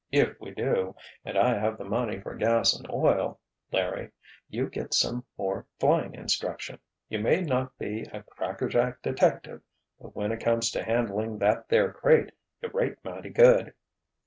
If we do, and I have the money for gas and oil, Larry, you get some more flying instruction. You may not be a crackerjack detective, but when it comes to handling that there crate, you rate mighty good."